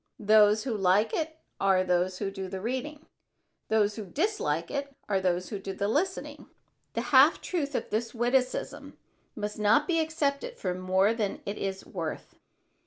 Those who like it are those who do the reading; those who dislike it are those who do the listening." The half truth in this witticism must not be accepted for more than it is worth.